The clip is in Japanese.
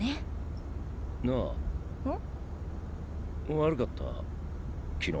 悪かった昨日。